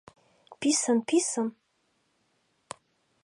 — Писын-писын!